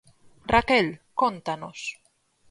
Raquel, cóntanos.